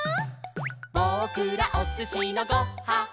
「ぼくらおすしのご・は・ん」